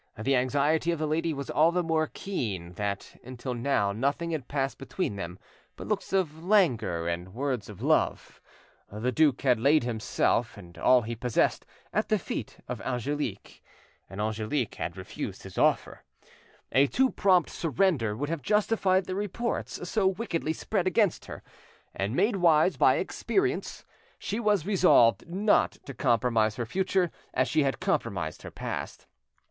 The anxiety of the lady was all the more keen, that until now nothing had passed between them but looks of languor and words of love. The duke had laid himself and all he possessed at the feet of Angelique, and Angelique had refused his offer. A too prompt surrender would have justified the reports so wickedly spread against her; and, made wise by experience, she was resolved not to compromise her future as she had compromised her past.